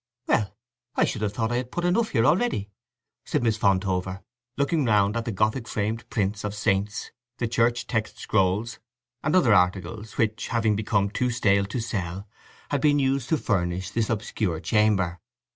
"Well, I should have thought I had put enough here already," said Miss Fontover, looking round at the Gothic framed prints of saints, the Church text scrolls, and other articles which, having become too stale to sell, had been used to furnish this obscure chamber.